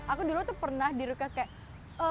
aku dulu tuh pernah dirukas kayak